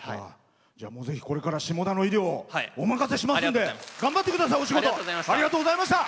これから下田の医療をお任せしますんで頑張ってください、お仕事。